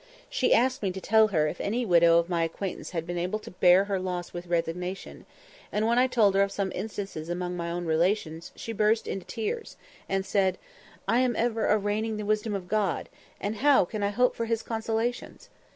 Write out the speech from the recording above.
She asked me to tell her if any widow of my acquaintance had been able to bear her loss with resignation; and when I told her of some instances among my own relations, she burst into tears and said, "I am ever arraigning the wisdom of God, and how can I hope for his consolations?"